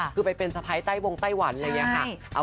คือไปเป็นสะพ้ายไต้วงไต้หวันอะไรอย่างนี้ค่ะ